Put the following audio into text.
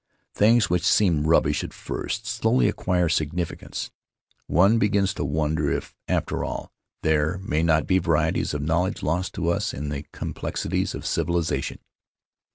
Things which seemed rubbish at first slowly acquire significance; one begins to won der if, after all, there may not be varieties of knowledge lost to us in the complexities of civilization.